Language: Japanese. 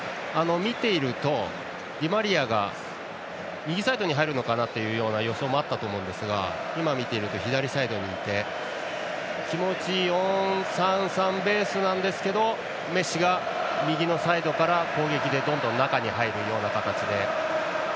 見ていると、ディマリアが右サイドに入るかなという予想もあったと思いますが今見ていると左サイドにいて気持ち、４−３−３ベースですがメッシが右サイドから攻撃でどんどん中に入るような形で。